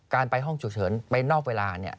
การไปห้องฉุกเฉินไปนอกเวลา